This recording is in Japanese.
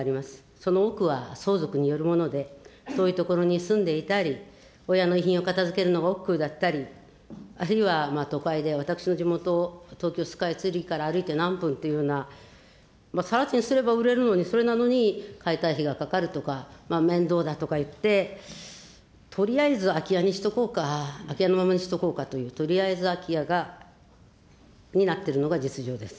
その多くは相続によるもので、遠い所に住んでいたり、親の遺品を片づけるのがおっくうだったり、あるいは都会で、私の地元、東京スカイツリーから歩いて何分っていうような、さら地にすれば売れるのに、それなのに解体費がかかるとか、面倒だとかいって、とりあえず空き家にしとこうか、空き家のままにしとこうかという、とりあえず空き家になっているのが実情です。